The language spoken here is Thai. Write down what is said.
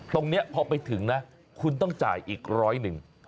ตรงนี้พอไปถึงนะคุณต้องจ่ายอีกร้อยหนึ่ง